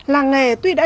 làng nghề tuy đã